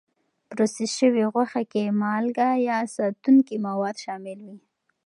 پروسس شوې غوښې کې مالکه یا ساتونکي مواد شامل وي.